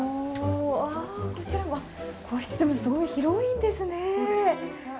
あこちらわっ個室でもすごい広いんですね。